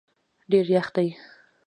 ډېر یخ دی